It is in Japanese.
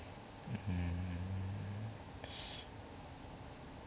うん。